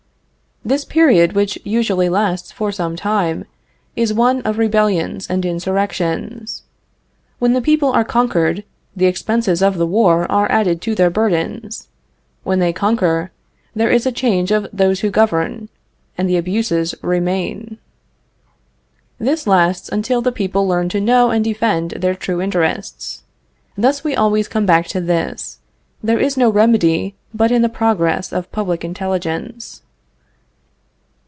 This period, which usually lasts for some time, is one of rebellions and insurrections. When the people are conquered, the expenses of the war are added to their burdens. When they conquer, there is a change of those who govern, and the abuses remain. This lasts until the people learn to know and defend their true interests. Thus we always come back to this: there is no remedy but in the progress of public intelligence.